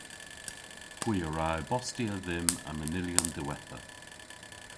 Hwi a wra e-bostya dhymm an manylyon diwettha.